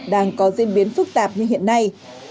đang có diễn biến phức tạp như hiện nay